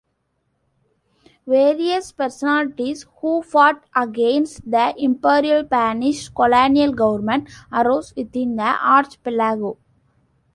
Various personalities who fought against the Imperial Spanish Colonial Government arose within the archipelago.